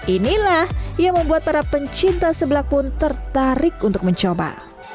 inilah yang membuat para pencinta seblak pun tertarik untuk mencoba